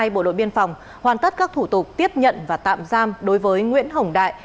bộ đội biên phòng hoàn tất các thủ tục tiếp nhận và tạm giam đối với nguyễn hồng đại